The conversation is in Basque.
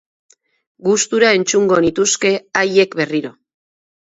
Gustura entzungo nituzke haiek berriro.